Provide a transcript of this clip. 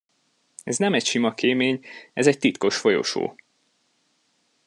Ez nem egy sima kémény, ez egy titkos folyosó.